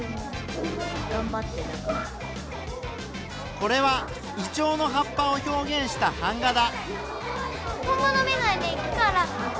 これはイチョウの葉っぱを表現した版画だ。